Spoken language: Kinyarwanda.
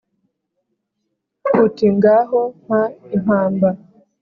uti: “ngaho mpa impamba